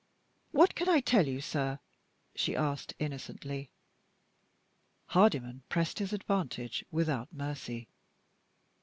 "What can I tell you, sir?" she asked innocently. Hardyman pressed his advantage without mercy.